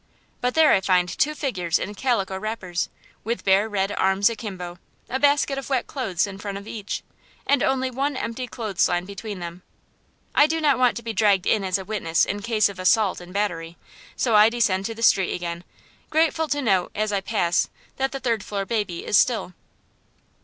But there I find two figures in calico wrappers, with bare red arms akimbo, a basket of wet clothes in front of each, and only one empty clothes line between them. I do not want to be dragged in as a witness in a case of assault and battery, so I descend to the street again, grateful to note, as I pass, that the third floor baby is still.